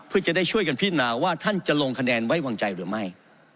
เพื่อจะได้ช่วยกันพินาว่าท่านจะลงคะแนนไว้วางใจหรือไม่